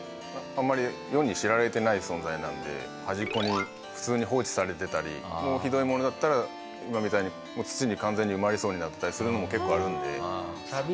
存在なので端っこに普通に放置されてたりもうひどいものだったら今みたいに土に完全に埋まりそうになってたりするのも結構あるので。